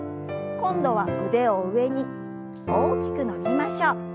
今度は腕を上に大きく伸びましょう。